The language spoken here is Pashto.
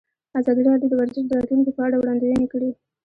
ازادي راډیو د ورزش د راتلونکې په اړه وړاندوینې کړې.